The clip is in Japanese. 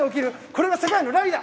これが世界のラリーだ！